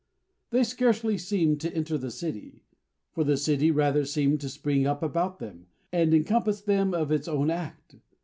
They scarcely seemed to enter the city; for the city rather seemed to spring up about them, and encompass them of its own act.